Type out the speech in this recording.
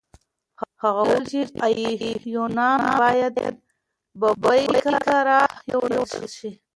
هغه وویل چې ایوانان باید ببۍ کره یوړل شي.